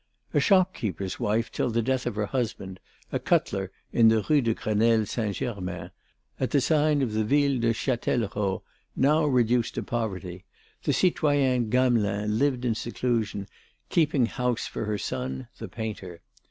A shopkeeper's wife till the death of her husband, a cutler in the Rue de Grenelle Saint Germain, at the sign of the Ville de Châtellerault, now reduced to poverty, the citoyenne Gamelin lived in seclusion, keeping house for her son the painter.